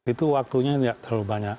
itu waktunya tidak terlalu banyak